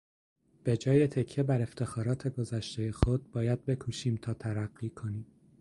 به جای تکیه بر افتخارات گذشتهی خود باید بکوشیم تا ترقی کنیم.